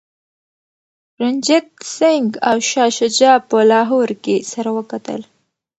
رنجیت سنګ او شاه شجاع په لاهور کي سره وکتل.